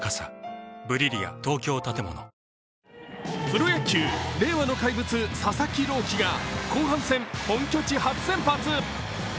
プロ野球、令和の怪物・佐々木朗希が後半戦、本拠地初先発。